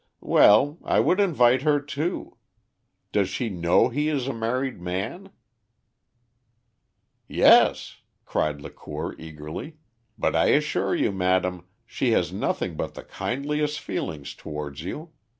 Well, I would invite her too. Does she know he is a married man?" "Yes," cried Lacour eagerly; "but I assure you, madame, she has nothing but the kindliest feelings towards you.